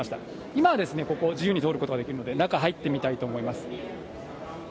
今はここを自由に通ることができるので中入ってみたいと思います。